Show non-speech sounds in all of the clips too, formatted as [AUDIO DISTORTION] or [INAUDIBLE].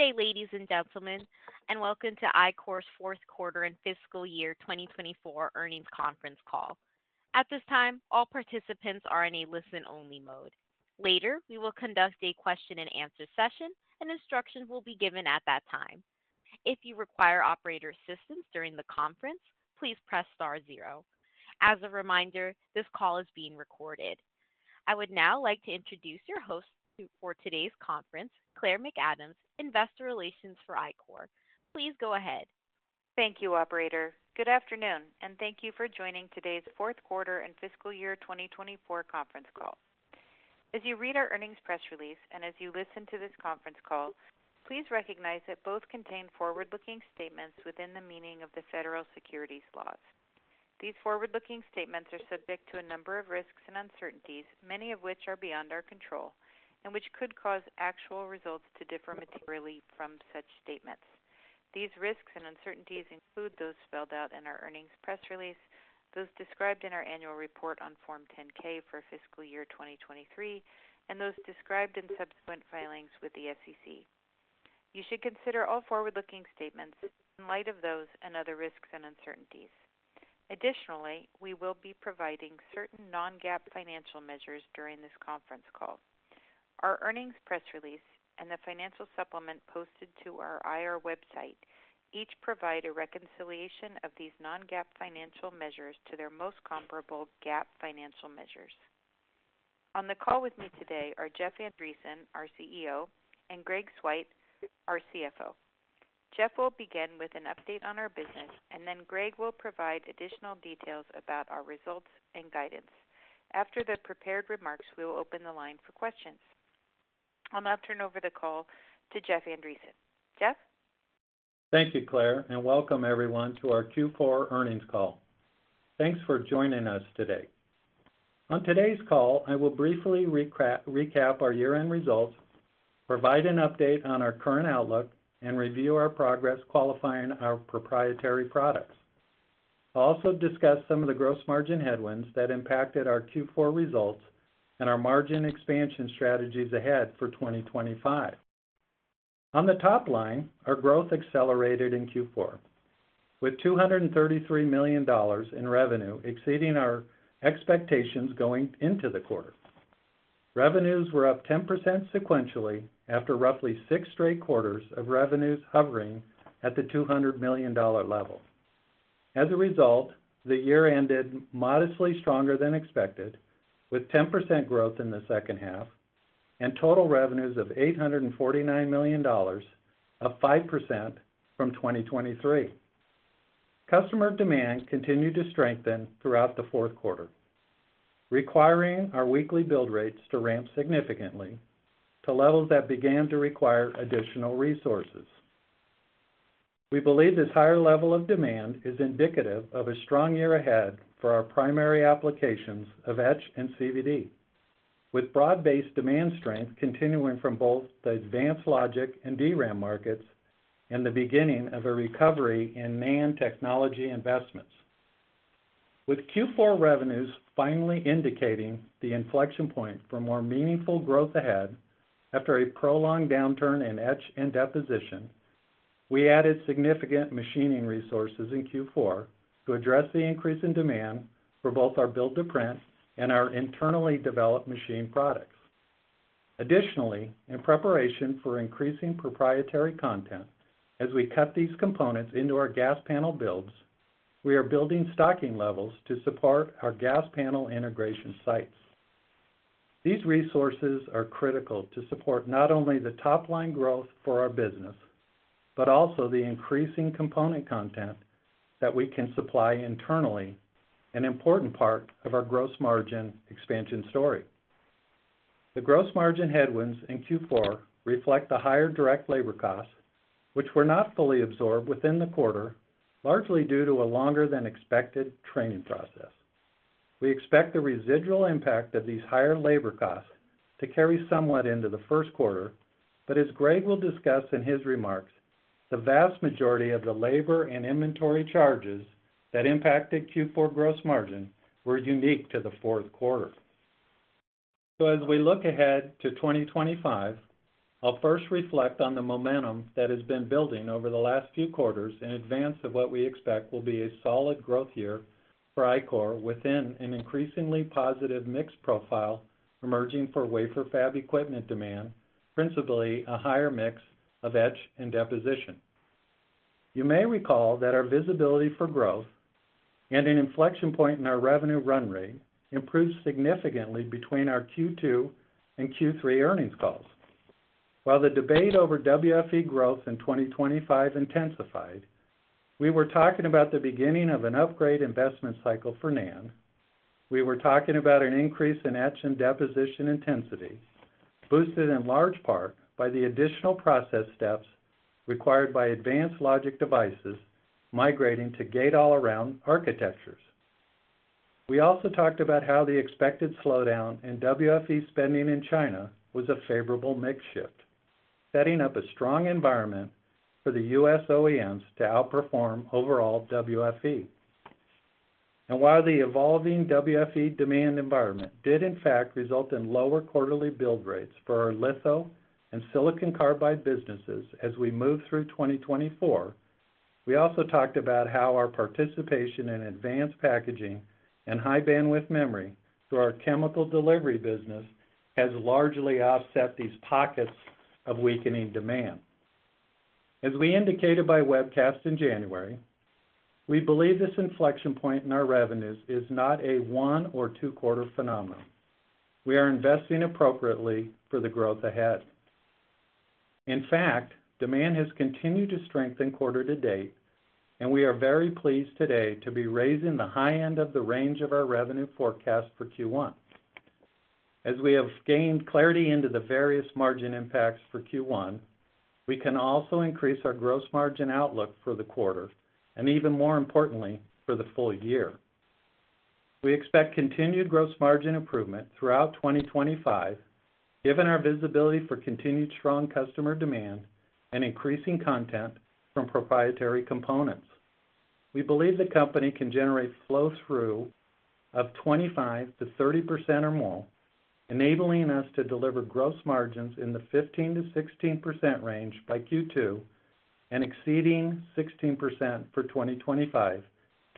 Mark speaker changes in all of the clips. Speaker 1: Good day, ladies and gentlemen, and welcome to Ichor's fourth quarter and fiscal year 2024 earnings conference call. At this time, all participants are in a listen-only mode. Later, we will conduct a question-and-answer session, and instructions will be given at that time. If you require operator assistance during the conference, please press star zero. As a reminder, this call is being recorded. I would now like to introduce your host for today's conference, Claire McAdams, Investor Relations for Ichor. Please go ahead.
Speaker 2: Thank you, Operator. Good afternoon, and thank you for joining today's fourth quarter and fiscal year 2024 conference call. As you read our earnings press release and as you listen to this conference call, please recognize that both contain forward-looking statements within the meaning of the federal securities laws. These forward-looking statements are subject to a number of risks and uncertainties, many of which are beyond our control and which could cause actual results to differ materially from such statements. These risks and uncertainties include those spelled out in our earnings press release, those described in our annual report on Form 10-K for fiscal year 2023, and those described in subsequent filings with the SEC. You should consider all forward-looking statements in light of those and other risks and uncertainties. Additionally, we will be providing certain non-GAAP financial measures during this conference call. Our earnings press release and the financial supplement posted to our IR website each provide a reconciliation of these non-GAAP financial measures to their most comparable GAAP financial measures. On the call with me today are Jeff Andreson, our CEO, and Greg Swyt, our CFO. Jeff will begin with an update on our business, and then Greg will provide additional details about our results and guidance. After the prepared remarks, we will open the line for questions. I'll now turn over the call to Jeff Andreson. Jeff?
Speaker 3: Thank you, Claire, and welcome everyone to our Q4 earnings call. Thanks for joining us today. On today's call, I will briefly recap our year-end results, provide an update on our current outlook, and review our progress qualifying our proprietary products. I'll also discuss some of the gross margin headwinds that impacted our Q4 results and our margin expansion strategies ahead for 2025. On the top line, our growth accelerated in Q4, with $233 million in revenue exceeding our expectations going into the quarter. Revenues were up 10% sequentially after roughly six straight quarters of revenues hovering at the $200 million level. As a result, the year ended modestly stronger than expected, with 10% growth in the second half and total revenues of $849 million, up 5% from 2023. Customer demand continued to strengthen throughout the fourth quarter, requiring our weekly build rates to ramp significantly to levels that began to require additional resources. We believe this higher level of demand is indicative of a strong year ahead for our primary applications of etch and CVD, with broad-based demand strength continuing from both the advanced logic and DRAM markets and the beginning of a recovery in NAND technology investments. With Q4 revenues finally indicating the inflection point for more meaningful growth ahead after a prolonged downturn in etch and deposition, we added significant machining resources in Q4 to address the increase in demand for both our build-to-print and our internally developed machine products. Additionally, in preparation for increasing proprietary content, as we cut these components into our gas panel builds, we are building stocking levels to support our gas panel integration sites. These resources are critical to support not only the top-line growth for our business but also the increasing component content that we can supply internally, an important part of our gross margin expansion story. The gross margin headwinds in Q4 reflect the higher direct labor costs, which were not fully absorbed within the quarter, largely due to a longer-than-expected training process. We expect the residual impact of these higher labor costs to carry somewhat into the first quarter, but as Greg will discuss in his remarks, the vast majority of the labor and inventory charges that impacted Q4 gross margin were unique to the fourth quarter. As we look ahead to 2025, I'll first reflect on the momentum that has been building over the last few quarters in advance of what we expect will be a solid growth year for Ichor within an increasingly positive mix profile emerging for wafer fab equipment demand, principally a higher mix of etch and deposition. You may recall that our visibility for growth and an inflection point in our revenue run rate improved significantly between our Q2 and Q3 earnings calls. While the debate over WFE growth in 2025 intensified, we were talking about the beginning of an upgrade investment cycle for NAND. We were talking about an increase in etch and deposition intensity, boosted in large part by the additional process steps required by advanced logic devices migrating to Gate-All-Around architectures. We also talked about how the expected slowdown in WFE spending in China was a favorable mix shift, setting up a strong environment for the U.S. OEMs to outperform overall WFE. And while the evolving WFE demand environment did in fact result in lower quarterly build rates for our litho and silicon carbide businesses as we move through 2024, we also talked about how our participation in advanced packaging and high bandwidth memory through our chemical delivery business has largely offset these pockets of weakening demand. As we indicated by webcast in January, we believe this inflection point in our revenues is not a one or two-quarter phenomenon. We are investing appropriately for the growth ahead. In fact, demand has continued to strengthen quarter to date, and we are very pleased today to be raising the high end of the range of our revenue forecast for Q1. As we have gained clarity into the various margin impacts for Q1, we can also increase our gross margin outlook for the quarter and, even more importantly, for the full year. We expect continued gross margin improvement throughout 2025, given our visibility for continued strong customer demand and increasing content from proprietary components. We believe the company can generate flow-through of 25%-30% or more, enabling us to deliver gross margins in the 15%-16% range by Q2 and exceeding 16% for 2025,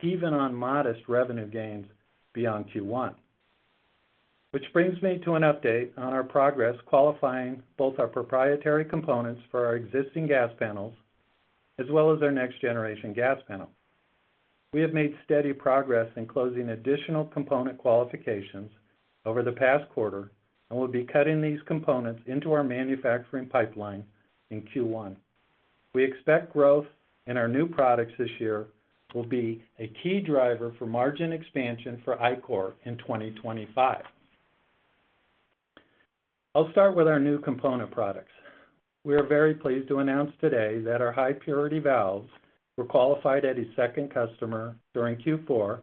Speaker 3: even on modest revenue gains beyond Q1. Which brings me to an update on our progress qualifying both our proprietary components for our existing gas panels as well as our next-generation gas panel. We have made steady progress in closing additional component qualifications over the past quarter and will be cutting these components into our manufacturing pipeline in Q1. We expect growth in our new products this year will be a key driver for margin expansion for Ichor in 2025. I'll start with our new component products. We are very pleased to announce today that our high-purity valves were qualified at a second customer during Q4,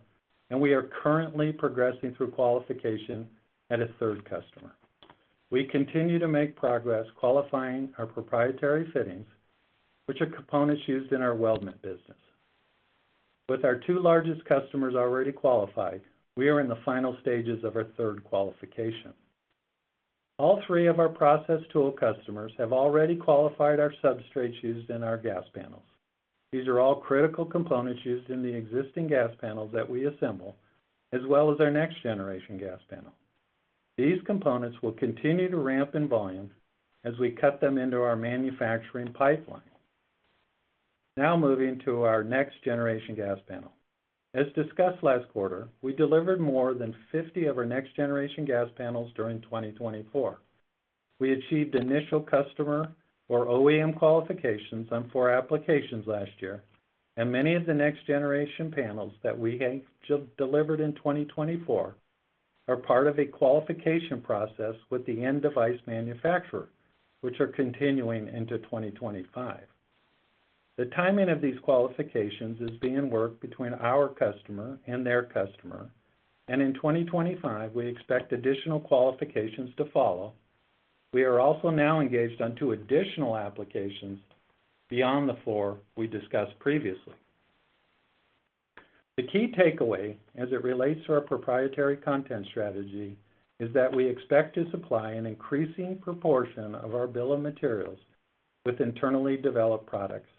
Speaker 3: and we are currently progressing through qualification at a third customer. We continue to make progress qualifying our proprietary fittings, which are components used in our weldment business. With our two largest customers already qualified, we are in the final stages of our third qualification. All three of our process tool customers have already qualified our substrates used in our gas panels. These are all critical components used in the existing gas panels that we assemble, as well as our next-generation gas panel. These components will continue to ramp in volume as we cut them into our manufacturing pipeline. Now moving to our next-generation gas panel. As discussed last quarter, we delivered more than 50 of our next-generation gas panels during 2024. We achieved initial customer or OEM qualifications on four applications last year, and many of the next-generation panels that we have delivered in 2024 are part of a qualification process with the end device manufacturer, which are continuing into 2025. The timing of these qualifications is being worked between our customer and their customer, and in 2025, we expect additional qualifications to follow. We are also now engaged on two additional applications beyond the four we discussed previously. The key takeaway as it relates to our proprietary content strategy is that we expect to supply an increasing proportion of our bill of materials with internally developed products,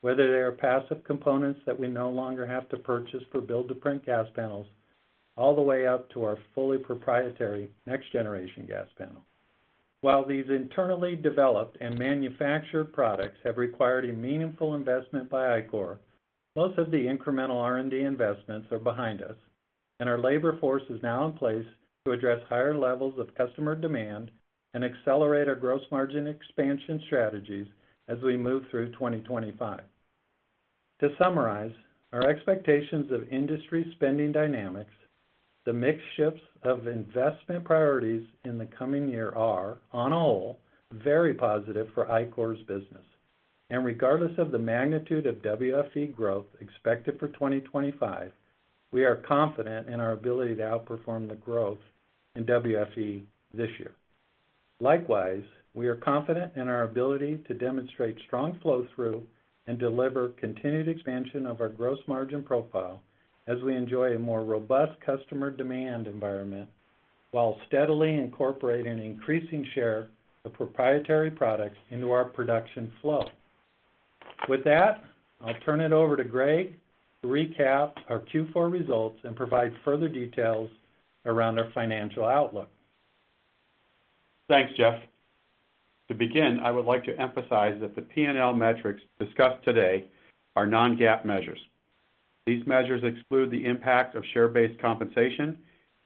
Speaker 3: whether they are passive components that we no longer have to purchase for build-to-print gas panels, all the way up to our fully proprietary next-generation gas panel. While these internally developed and manufactured products have required a meaningful investment by Ichor, most of the incremental R&D investments are behind us, and our labor force is now in place to address higher levels of customer demand and accelerate our gross margin expansion strategies as we move through 2025. To summarize, our expectations of industry spending dynamics, the mix shifts of investment priorities in the coming year, are, on the whole, very positive for Ichor's business. And regardless of the magnitude of WFE growth expected for 2025, we are confident in our ability to outperform the growth in WFE this year. Likewise, we are confident in our ability to demonstrate strong flow-through and deliver continued expansion of our gross margin profile as we enjoy a more robust customer demand environment while steadily incorporating an increasing share of proprietary products into our production flow. With that, I'll turn it over to Greg to recap our Q4 results and provide further details around our financial outlook.
Speaker 4: Thanks, Jeff. To begin, I would like to emphasize that the P&L metrics discussed today are non-GAAP measures. These measures exclude the impact of share-based compensation,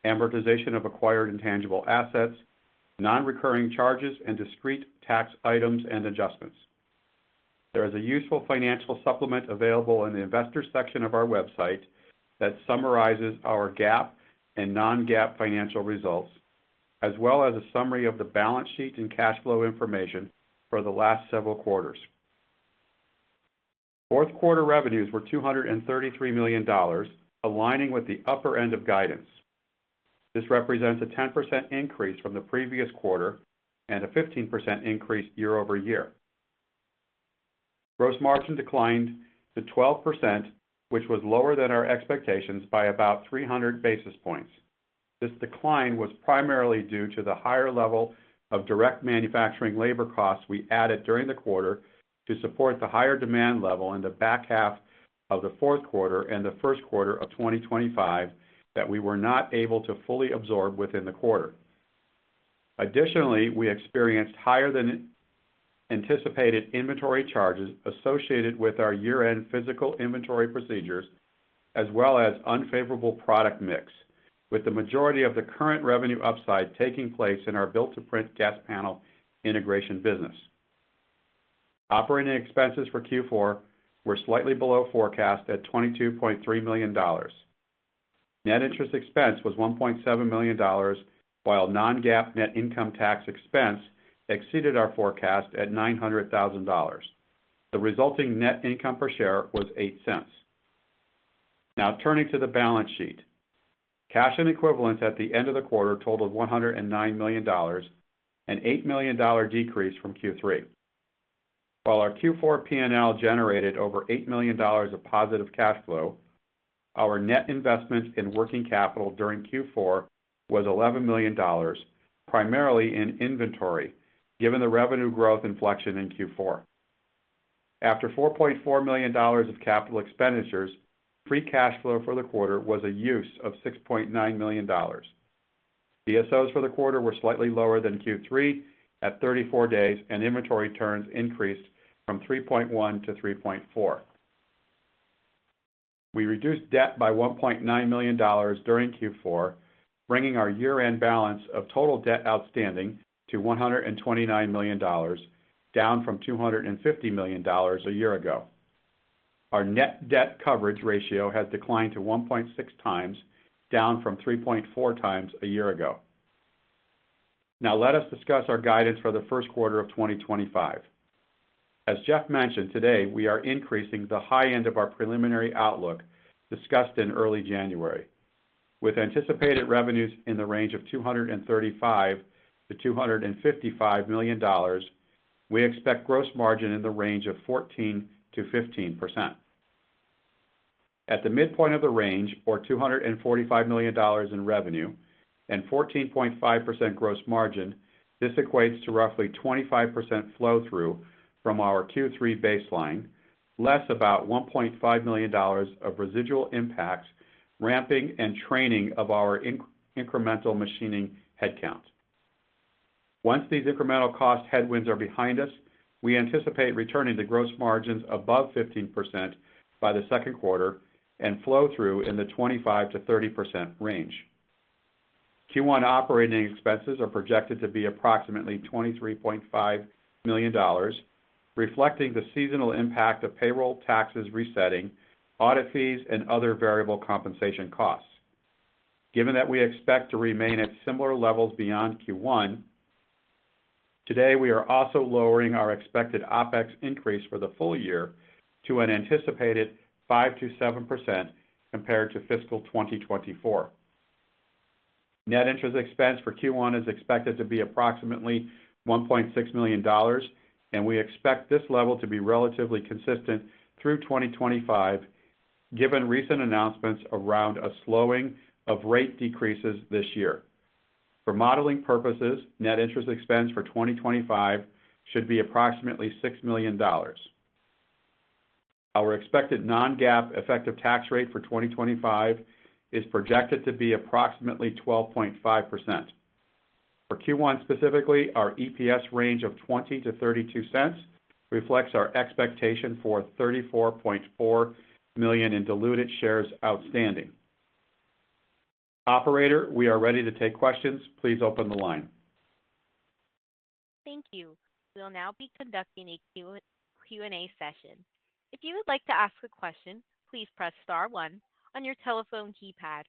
Speaker 4: amortization of acquired intangible assets, non-recurring charges, and discrete tax items and adjustments. There is a useful financial supplement available in the investor section of our website that summarizes our GAAP and non-GAAP financial results, as well as a summary of the balance sheet and cash flow information for the last several quarters. Fourth quarter revenues were $233 million, aligning with the upper end of guidance. This represents a 10% increase from the previous quarter and a 15% increase year over year. Gross margin declined to 12%, which was lower than our expectations by about 300 basis points. This decline was primarily due to the higher level of direct manufacturing labor costs we added during the quarter to support the higher demand level in the back half of the fourth quarter and the first quarter of 2025 that we were not able to fully absorb within the quarter. Additionally, we experienced higher than anticipated inventory charges associated with our year-end physical inventory procedures, as well as unfavorable product mix, with the majority of the current revenue upside taking place in our build-to-print gas panel integration business. Operating expenses for Q4 were slightly below forecast at $22.3 million. Net interest expense was $1.7 million, while non-GAAP net income tax expense exceeded our forecast at $900,000. The resulting net income per share was $0.08. Now turning to the balance sheet, cash and equivalents at the end of the quarter totaled $109 million and an $8 million decrease from Q3. While our Q4 P&L generated over $8 million of positive cash flow, our net investment in working capital during Q4 was $11 million, primarily in inventory, given the revenue growth inflection in Q4. After $4.4 million of capital expenditures, free cash flow for the quarter was a use of $6.9 million. DSOs for the quarter were slightly lower than Q3 at 34 days, and inventory turns increased from 3.1 to 3.4. We reduced debt by $1.9 million during Q4, bringing our year-end balance of total debt outstanding to $129 million, down from $250 million a year ago. Our net debt coverage ratio has declined to 1.6 times, down from 3.4 times a year ago. Now let us discuss our guidance for the first quarter of 2025. As Jeff mentioned, today we are increasing the high end of our preliminary outlook discussed in early January. With anticipated revenues in the range of $235-$255 million, we expect gross margin in the range of 14%-15%. At the midpoint of the range, or $245 million in revenue and 14.5% gross margin, this equates to roughly 25% flow-through from our Q3 baseline, less about $1.5 million of residual impacts ramping and training of our incremental machining headcount. Once these incremental cost headwinds are behind us, we anticipate returning to gross margins above 15% by the second quarter and flow-through in the 25%-30% range. Q1 operating expenses are projected to be approximately $23.5 million, reflecting the seasonal impact of payroll taxes resetting, audit fees, and other variable compensation costs. Given that we expect to remain at similar levels beyond Q1, today we are also lowering our expected OPEX increase for the full year to an anticipated 5%-7% compared to fiscal 2024. Net interest expense for Q1 is expected to be approximately $1.6 million, and we expect this level to be relatively consistent through 2025, given recent announcements around a slowing of rate decreases this year. For modeling purposes, net interest expense for 2025 should be approximately $6 million. Our expected Non-GAAP effective tax rate for 2025 is projected to be approximately 12.5%. For Q1 specifically, our EPS range of $0.20-$0.32 reflects our expectation for 34.4 million in diluted shares outstanding. Operator, we are ready to take questions. Please open the line.
Speaker 1: Thank you. We'll now be conducting a Q&A session. If you would like to ask a question, please press star one on your telephone keypad.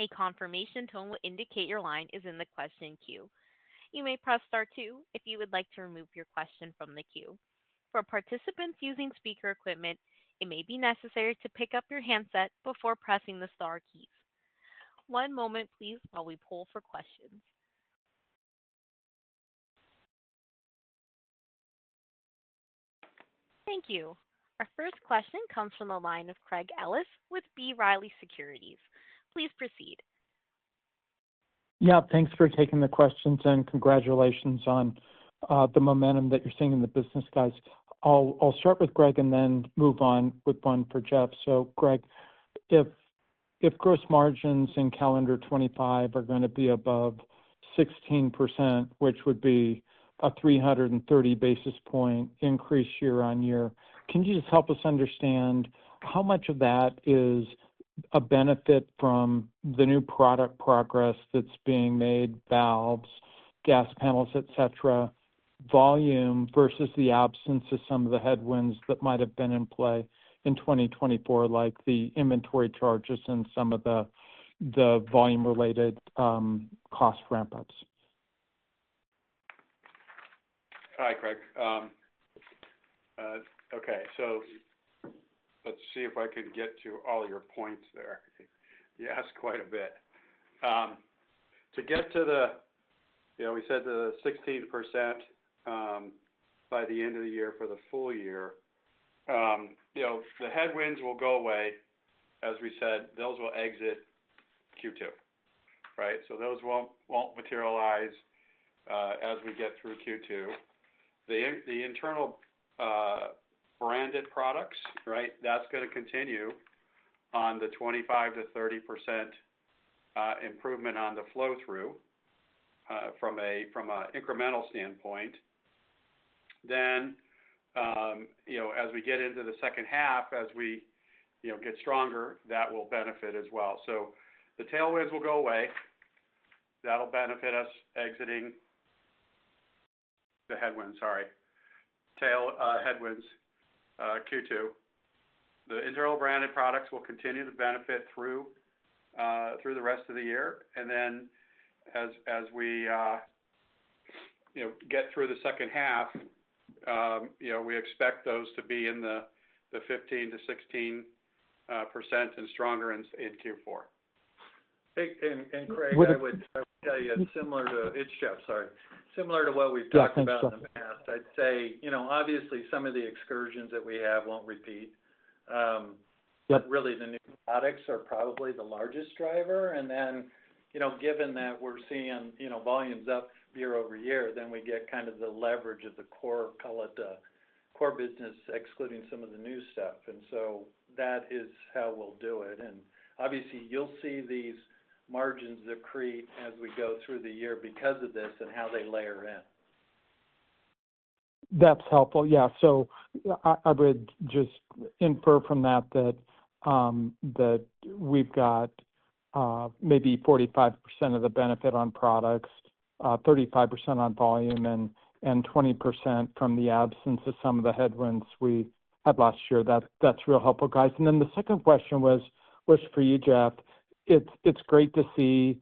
Speaker 1: A confirmation tone will indicate your line is in the question queue. You may press star two if you would like to remove your question from the queue. For participants using speaker equipment, it may be necessary to pick up your handset before pressing the star keys. One moment, please, while we poll for questions. Thank you. Our first question comes from the line of Craig Ellis with B. Riley Securities. Please proceed.
Speaker 5: Yeah, thanks for taking the questions and congratulations on the momentum that you're seeing in the business, guys. I'll start with Greg and then move on with one for Jeff. So, Greg, if gross margins in calendar 2025 are going to be above 16%, which would be a 330 basis points increase year on year, can you just help us understand how much of that is a benefit from the new product progress that's being made, valves, gas panels, et cetera, volume versus the absence of some of the headwinds that might have been in play in 2024, like the inventory charges and some of the volume-related cost ramp-ups? Hi, Greg.
Speaker 4: Okay, so let's see if I could get to all your points there. You asked quite a bit. To get to the, we said the 16% by the end of the year for the full year, the headwinds will go away, as we said. Those will exit Q2, right? So those won't materialize as we get through Q2. The internal branded products, right, that's going to continue on the 25%-30% improvement on the flow-through from an incremental standpoint. Then, as we get into the second half, as we get stronger, that will benefit as well. So the tailwinds will go away. That'll benefit us exiting the headwinds, sorry, tail headwinds Q2. The internal branded products will continue to benefit through the rest of the year. And then, as we get through the second half, we expect those to be in the 15%-16% and stronger in Q4.
Speaker 3: And, Craig, I would tell you, similar to, it's Jeff, sorry, similar to what we've talked about in the past, I'd say, obviously, some of the excursions that we have won't repeat. Really, the new products are probably the largest driver. And then, given that we're seeing volumes up year over year, then we get kind of the leverage of the core, call it the core business, excluding some of the new stuff. And so that is how we'll do it. And obviously, you'll see these margins decrease as we go through the year because of this and how they layer in.
Speaker 5: That's helpful. Yeah. So I would just infer from that that we've got maybe 45% of the benefit on products, 35% on volume, and 20% from the absence of some of the headwinds we had last year. That's real helpful, guys. And then the second question was for you, Jeff. It's great to see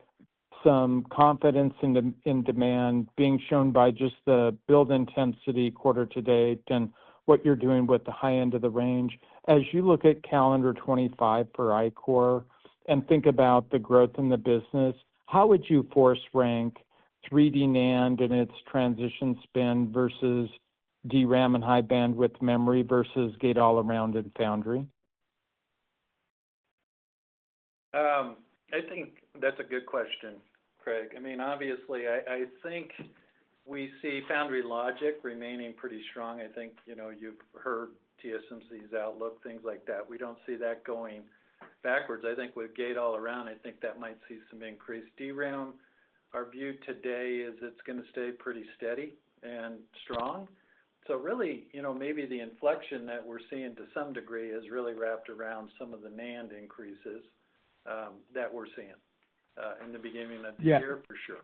Speaker 5: some confidence in demand being shown by just the build intensity quarter to date and what you're doing with the high end of the range. As you look at calendar 2025 for Ichor and think about the growth in the business, how would you force rank 3D NAND and its transition spend versus DRAM and high bandwidth memory versus Gate-All-Around and Foundry?
Speaker 3: I think that's a good question, Craig. I mean, obviously, I think we see Foundry Logic remaining pretty strong. I think you've heard TSMC's outlook, things like that. We don't see that going backwards. I think with Gate-All-Around, I think that might see some increase. DRAM, our view today is it's going to stay pretty steady and strong. So really, maybe the inflection that we're seeing to some degree is really wrapped around some of the NAND increases that we're seeing in the beginning of the year, for sure.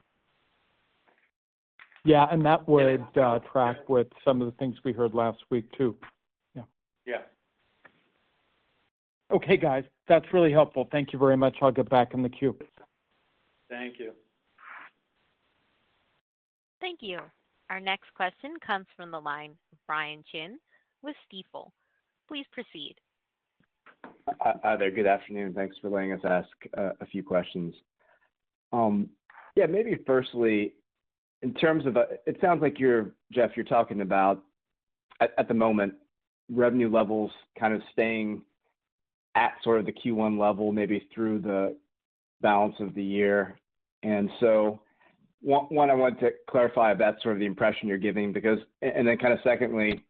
Speaker 5: Yeah. And that would track with some of the things we heard last week too. Yeah.
Speaker 3: Yeah.
Speaker 5: Okay, guys. That's really helpful. Thank you very much. I'll get back in the queue.
Speaker 3: Thank you.
Speaker 1: Thank you. Our next question comes from the line of Brian Chin with Stifel. Please proceed.
Speaker 6: Hi, there. Good afternoon. Thanks for letting us ask a few questions. Yeah, maybe firstly, in terms of it sounds like, Jeff, you're talking about, at the moment, revenue levels kind of staying at sort of the Q1 level, maybe through the balance of the year. And so one, I want to clarify that sort of the impression you're giving, because—and then kind of secondly,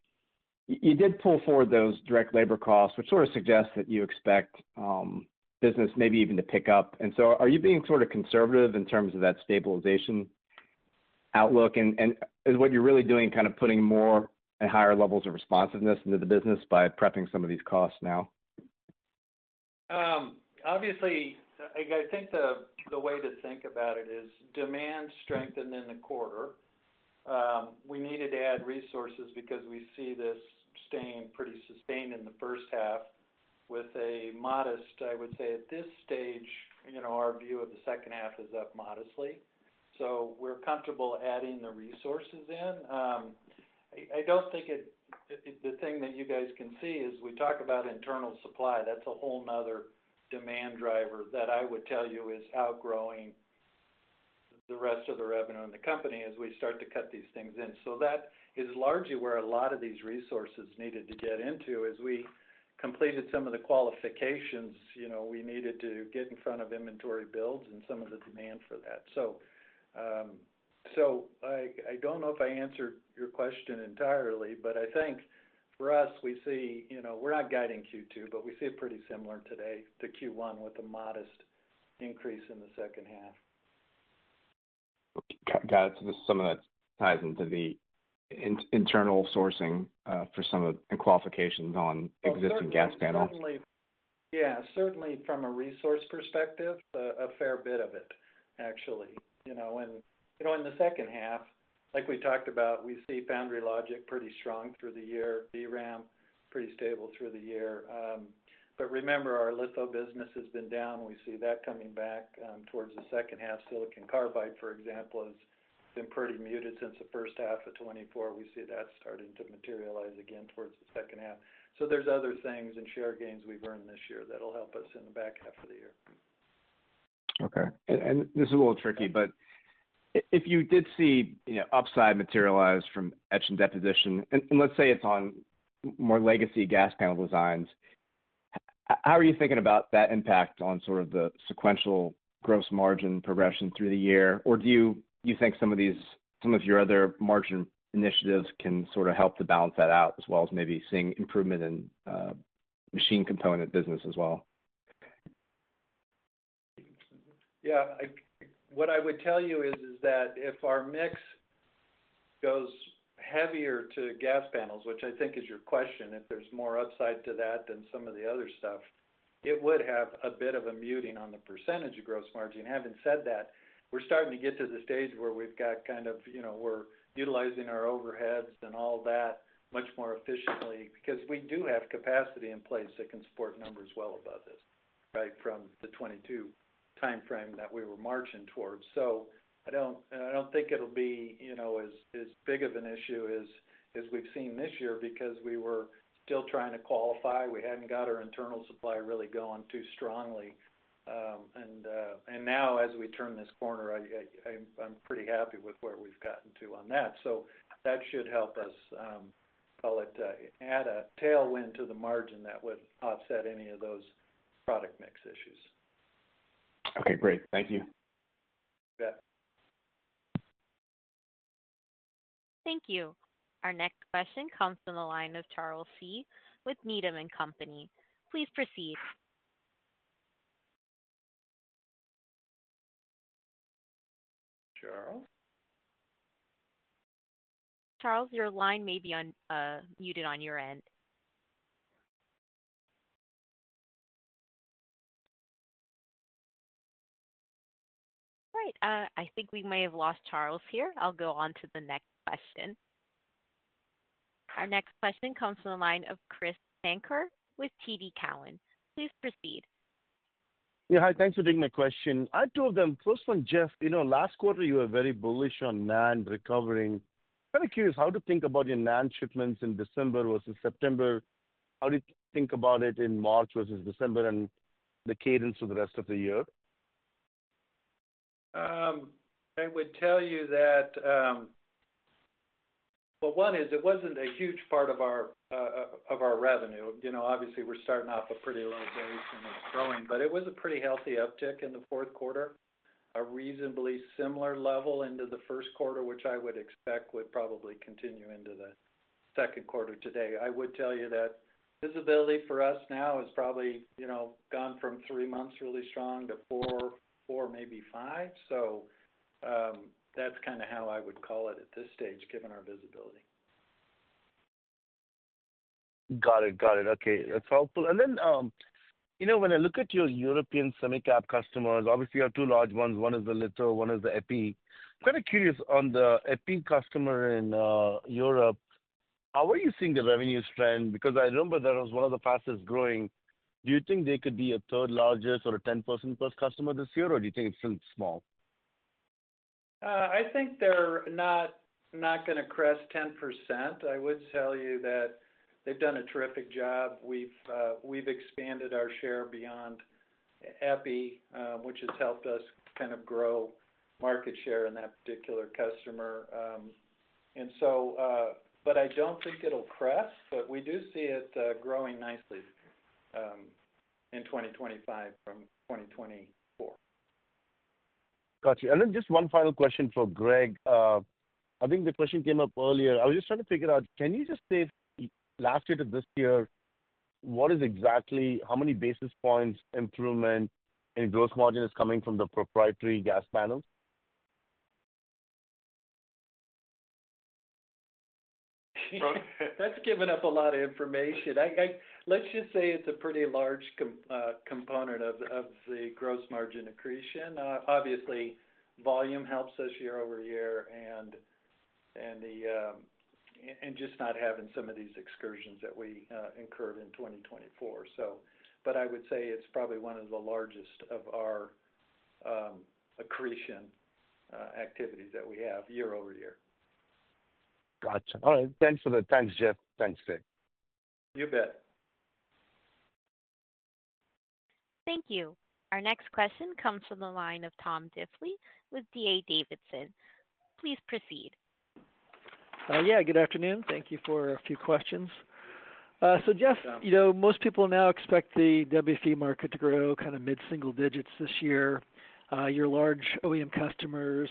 Speaker 6: you did pull forward those direct labor costs, which sort of suggests that you expect business maybe even to pick up. And so are you being sort of conservative in terms of that stabilization outlook? And is what you're really doing kind of putting more and higher levels of responsiveness into the business by prepping some of these costs now?
Speaker 3: Obviously, I think the way to think about it is demand strengthened in the quarter. We needed to add resources because we see this staying pretty sustained in the first half with a modest—I would say at this stage, our view of the second half is up modestly. So we're comfortable adding the resources in. I don't think the thing that you guys can see is we talk about internal supply. That's a whole nother demand driver that I would tell you is outgrowing the rest of the revenue in the company as we start to cut these things in. So that is largely where a lot of these resources needed to get into. As we completed some of the qualifications, we needed to get in front of inventory builds and some of the demand for that. So I don't know if I answered your question entirely, but I think for us, we see, we're not guiding Q2, but we see it pretty similar today to Q1 with a modest increase in the second half.
Speaker 6: Got it. So this is something that ties into the internal sourcing for some of the qualifications on existing gas panels.
Speaker 3: Yeah, certainly from a resource perspective, a fair bit of it, actually. And in the second half, like we talked about, we see foundry logic pretty strong through the year. DRAM, pretty stable through the year. But remember, our litho business has been down. We see that coming back towards the second half. Silicon carbide, for example, has been pretty muted since the first half of 2024. We see that starting to materialize again towards the second half. So there's other things and share gains we've earned this year that'll help us in the back half of the year.
Speaker 6: Okay. And this is a little tricky, but if you did see upside materialize from etch and deposition, and let's say it's on more legacy gas panel designs, how are you thinking about that impact on sort of the sequential gross margin progression through the year? Or do you think some of your other margin initiatives can sort of help to balance that out as well as maybe seeing improvement in machine component business as well?
Speaker 3: Yeah. What I would tell you is that if our mix goes heavier to gas panels, which I think is your question, if there's more upside to that than some of the other stuff, it would have a bit of a muting on the percentage of gross margin. Having said that, we're starting to get to the stage where we've got kind of, we're utilizing our overheads and all that much more efficiently because we do have capacity in place that can support numbers well above this, right, from the 2022 timeframe that we were marching towards. So I don't think it'll be as big of an issue as we've seen this year because we were still trying to qualify. We hadn't got our internal supply really going too strongly, and now, as we turn this corner, I'm pretty happy with where we've gotten to on that. So that should help us, call it, add a tailwind to the margin that would offset any of those product mix issues.
Speaker 6: Okay. Great. Thank you.
Speaker 3: Yep.
Speaker 1: Thank you. Our next question comes from the line of Charles Shi with Needham & Company. Please proceed.
Speaker 3: Charles?
Speaker 1: Charles, your line may be muted on your end. All right. I think we may have lost Charles here. I'll go on to the next question. Our next question comes from the line of Krish Sankar with TD Cowen. Please proceed.
Speaker 7: Yeah. Hi. Thanks for taking my question. I have two of them. First one, Jeff, last quarter, you were very bullish on NAND recovering. Kind of curious how to think about your NAND shipments in December versus September? How do you think about it in March versus December and the cadence for the rest of the year?
Speaker 3: I would tell you that, well, one is it wasn't a huge part of our revenue. Obviously, we're starting off a pretty low base and it's growing, but it was a pretty healthy uptick in the fourth quarter, a reasonably similar level into the first quarter, which I would expect would probably continue into the second quarter today. I would tell you that visibility for us now has probably gone from three months really strong to four, maybe five, so that's kind of how I would call it at this stage, given our visibility.
Speaker 7: Got it. Got it. Okay. That's helpful. And then when I look at your European semicap customers, obviously, you have two large ones. One is the litho, one is the EPi. I'm kind of curious on the EPi customer in Europe. How are you seeing the revenue stream? Because I remember that it was one of the fastest growing. Do you think they could be a third largest or a 10 million+ customer this year, or do you think it's still small?
Speaker 3: I think they're not going to crest 10%. I would tell you that they've done a terrific job. We've expanded our share beyond Epi, which has helped us kind of grow market share in that particular customer. And so, but I don't think it'll crest, but we do see it growing nicely in 2025 from 2024.
Speaker 7: Gotcha. And then just one final question for Greg. I think the question came up earlier. I was just trying to figure out, can you just say last year to this year, what is exactly how many basis points improvement in gross margin is coming from the proprietary gas panels?
Speaker 3: That's giving up a lot of information. Let's just say it's a pretty large component of the gross margin accretion. Obviously, volume helps us year over year and just not having some of these excursions that we incurred in 2024. But I would say it's probably one of the largest of our accretion activities that we have year over year.
Speaker 7: Gotcha. All right. Thanks, Jeff. Thanks, Greg.
Speaker 3: You bet.
Speaker 1: Thank you. Our next question comes from the line of Tom Diffely with D.A. Davidson. Please proceed.
Speaker 8: Yeah. Good afternoon. Thank you for a few questions. So Jeff, most people now expect the WFE market to grow kind of mid-single digits this year. Your large OEM customers,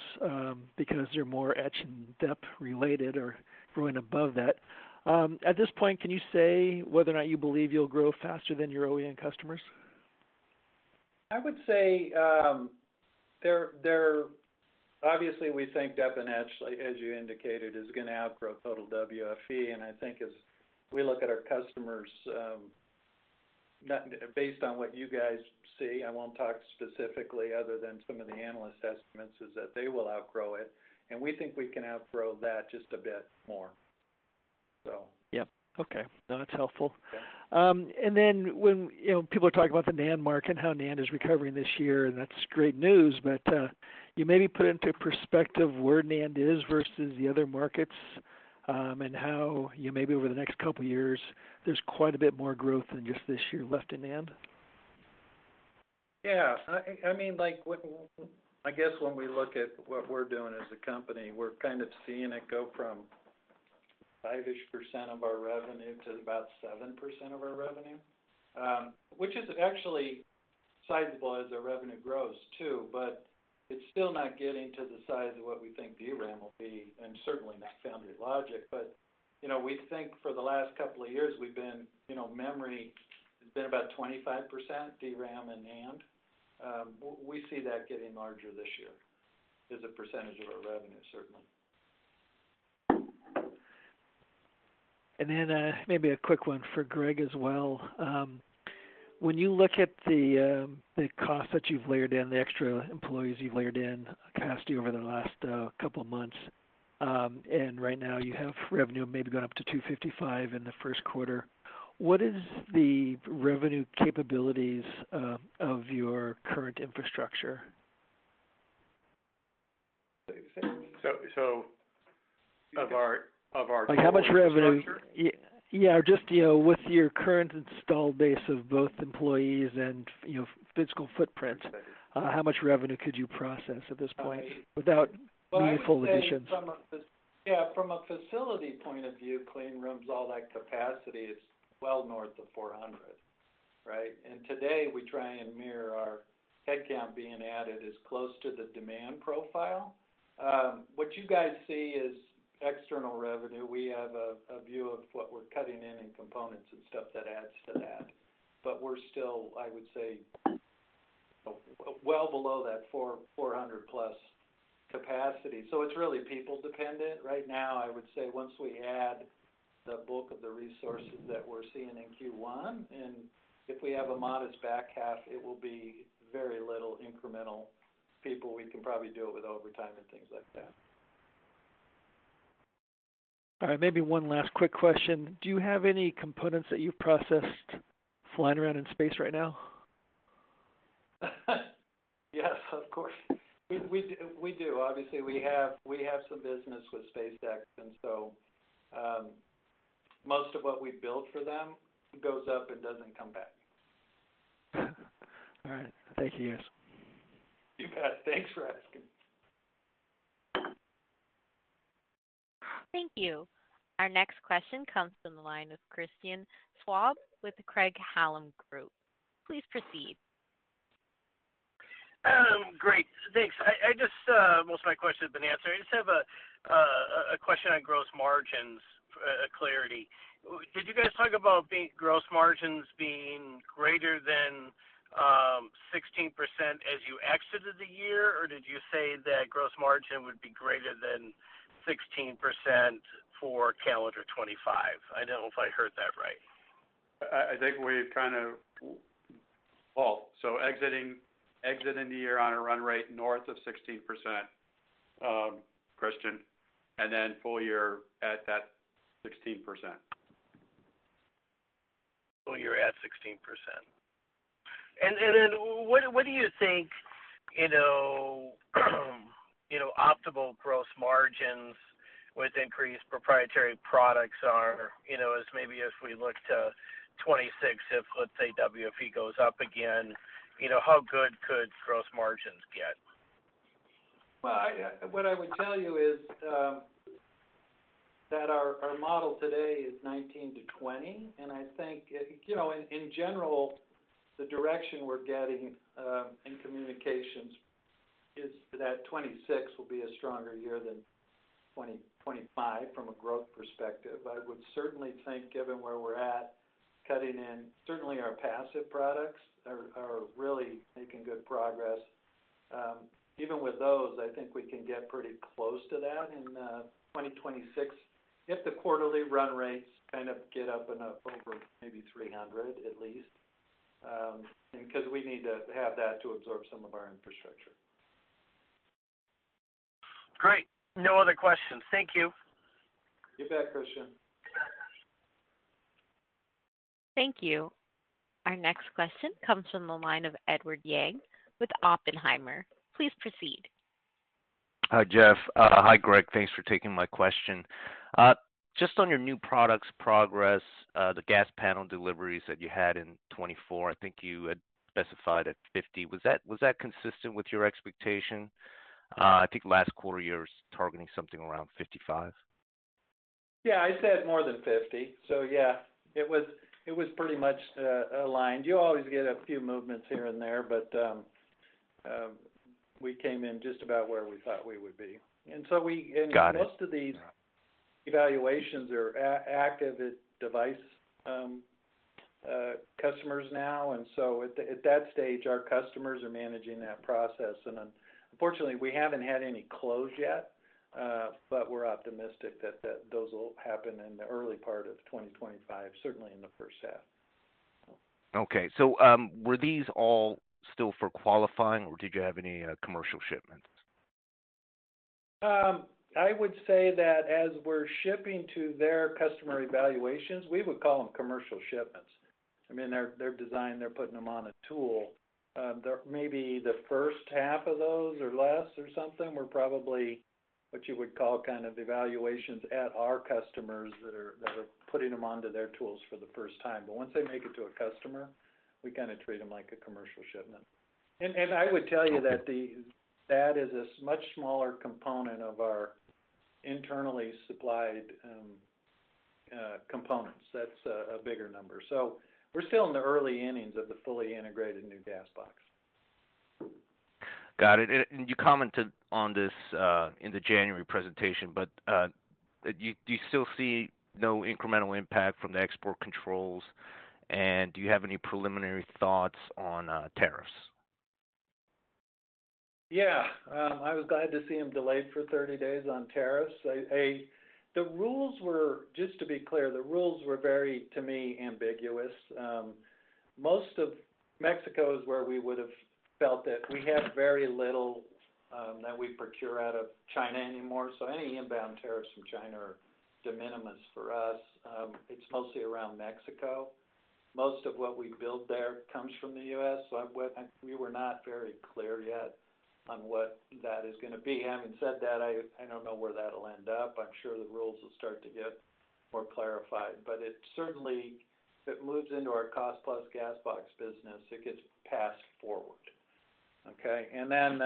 Speaker 8: because they're more etch and dep related, are growing above that. At this point, can you say whether or not you believe you'll grow faster than your OEM customers?
Speaker 3: I would say they're obviously, we think deposition and etch, as you indicated, is going to outgrow total WFE. And I think as we look at our customers, based on what you guys see, I won't talk specifically other than some of the analyst estimates, is that they will outgrow it. And we think we can outgrow that just a bit more, so.
Speaker 8: Yep. Okay. No, that's helpful, and then when people are talking about the NAND market and how NAND is recovering this year, and that's great news, but you maybe put into perspective where NAND is versus the other markets and how you maybe over the next couple of years, there's quite a bit more growth than just this year left in NAND?
Speaker 3: Yeah. I mean, I guess when we look at what we're doing as a company, we're kind of seeing it go from 5-ish% of our revenue to about 7% of our revenue, which is actually sizable as our revenue grows too, but it's still not getting to the size of what we think DRAM will be, and certainly not foundry logic, but we think for the last couple of years, we've been, memory has been about 25%, DRAM and NAND. We see that getting larger this year as a percentage of our revenue, certainly.
Speaker 8: And then maybe a quick one for Greg as well. When you look at the costs that you've layered in, the extra employees you've layered in capacity over the last couple of months, and right now you have revenue maybe going up to $255 million in the first quarter, what is the revenue capabilities of your current infrastructure?
Speaker 3: So of our current infrastructure?
Speaker 8: How much revenue? Yeah. Just with your current installed base of both employees and physical footprint, how much revenue could you process at this point without meaningful additions?
Speaker 3: Yeah. From a facility point of view, clean rooms, all that capacity is well north of 400, right? And today, we try and mirror our headcount being added as close to the demand profile. What you guys see is external revenue. We have a view of what we're cutting in and components and stuff that adds to that. But we're still, I would say, well below that 400+ capacity. So it's really people-dependent. Right now, I would say once we add the bulk of the resources that we're seeing in Q1, and if we have a modest back half, it will be very little incremental people. We can probably do it with overtime and things like that.
Speaker 8: All right. Maybe one last quick question. Do you have any components that you've processed flying around in space right now?
Speaker 3: Yes, of course. We do. Obviously, we have some business with SpaceX, and so most of what we build for them goes up and doesn't come back.
Speaker 8: All right. Thank you, yes.
Speaker 3: You bet. Thanks for asking.
Speaker 1: Thank you. Our next question comes from the line of Christian Schwab with the Craig-Hallum Group. Please proceed.
Speaker 9: Great. Thanks. Most of my questions have been answered. I just have a question on gross margins, a clarity. Did you guys talk about gross margins being greater than 16% as you exited the year, or did you say that gross margin would be greater than 16% for calendar 2025? I don't know if I heard that right.
Speaker 4: I think we've kind of both. So exiting the year on a run rate north of 16%, Christian, and then full year at that 16%. Full year at 16%.
Speaker 9: And then what do you think optimal gross margins with increased proprietary products are? Maybe if we look to 2026, if, let's say, WFE goes up again, how good could gross margins get?
Speaker 3: What I would tell you is that our model today is 19-20. I think, in general, the direction we're getting in communications is that 2026 will be a stronger year than 2025 from a growth perspective. I would certainly think, given where we're at, cutting in certainly our passive products are really making good progress. Even with those, I think we can get pretty close to that in 2026 if the quarterly run rates kind of get up and running over maybe 300 at least because we need to have that to absorb some of our infrastructure.
Speaker 9: Great. No other questions. Thank you.
Speaker 3: You bet, Christian.
Speaker 1: Thank you. Our next question comes from the line of Edward Yang with Oppenheimer. Please proceed.
Speaker 10: Hi, Jeff. Hi, Greg. Thanks for taking my question. Just on your new products progress, the gas panel deliveries that you had in 2024, I think you had specified at 50. Was that consistent with your expectation? I think last quarter you were targeting something around 55.
Speaker 3: Yeah. I said more than 50. So yeah, it was pretty much aligned. You always get a few movements here and there, but we came in just about where we thought we would be. And so most of these evaluations are active at device customers now. And so at that stage, our customers are managing that process. And unfortunately, we haven't had any close yet, but we're optimistic that those will happen in the early part of 2025, certainly in the first half.
Speaker 10: Okay, so were these all still for qualifying, or did you have any commercial shipments?
Speaker 3: I would say that as we're shipping to their customer evaluations, we would call them commercial shipments. I mean, they're designed. They're putting them on a tool. Maybe the first half of those or less or something were probably what you would call kind of evaluations at our customers that are putting them onto their tools for the first time, but once they make it to a customer, we kind of treat them like a commercial shipment, and I would tell you that that is a much smaller component of our internally supplied components. That's a bigger number, so we're still in the early innings of the fully integrated new gas box.
Speaker 10: Got it. And you commented on this in the January presentation, but do you still see no incremental impact from the export controls? And do you have any preliminary thoughts on tariffs?
Speaker 3: Yeah. I was glad to see them delayed for 30 days on tariffs. The rules were, just to be clear, the rules were very, to me, ambiguous. Most of Mexico is where we would have felt that we have very little that we procure out of China anymore. So any inbound tariffs from China are de minimis for us. It's mostly around Mexico. Most of what we build there comes from the U.S. So we were not very clear yet on what that is going to be. Having said that, I don't know where that'll end up. I'm sure the rules will start to get more clarified. But certainly, if it moves into our cost-plus gas box business, it gets passed forward. Okay? And then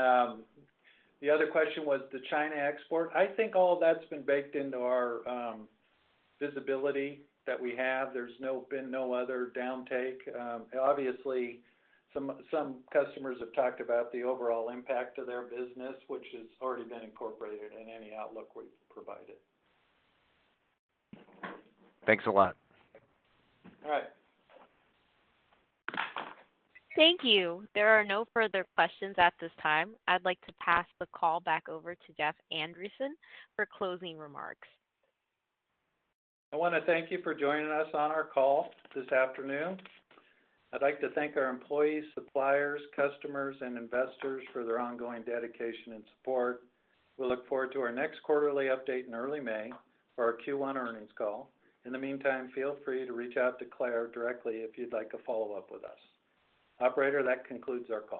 Speaker 3: the other question was the China export. I think all of that's been baked into our visibility that we have. There's been no other downtake. Obviously, some customers have talked about the overall impact of their business, which has already been incorporated in any outlook we've provided.
Speaker 10: Thanks a lot.
Speaker 3: All right. [AUDIO DISTORTION]
Speaker 1: Thank you. There are no further questions at this time. I'd like to pass the call back over to Jeff Andreson for closing remarks.
Speaker 3: I want to thank you for joining us on our call this afternoon. I'd like to thank our employees, suppliers, customers, and investors for their ongoing dedication and support. We'll look forward to our next quarterly update in early May for our Q1 earnings call. In the meantime, feel free to reach out to Claire directly if you'd like to follow up with us. Operator, that concludes our call.